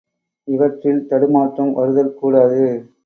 இவற்றில் தடுமாற்றம் வருதல் கூடாது.